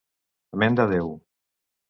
Amén de Déu!